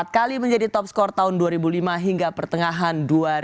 empat kali menjadi top skor tahun dua ribu lima hingga pertengahan dua ribu tujuh belas